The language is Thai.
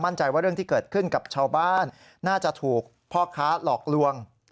ใจว่าเรื่องที่เกิดขึ้นกับชาวบ้านน่าจะถูกพ่อค้าหลอกลวง